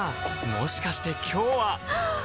もしかして今日ははっ！